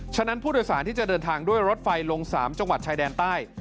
นั้นผู้โดยสารที่จะเดินทางด้วยรถไฟลง๓จังหวัดชายแดนใต้